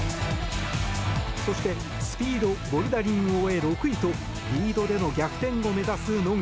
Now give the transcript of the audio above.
そして、スピードボルダリングを終え、６位とリードでの逆転を目指す野口。